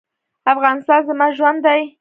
افغانستان زما ژوند دی؟